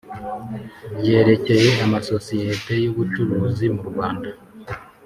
ryerekeye amasosiyete y ubucuruzi mu Rwanda